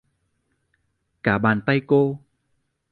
Cả bàn tay cô